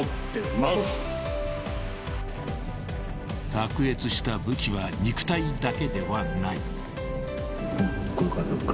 ［卓越した武器は肉体だけではない］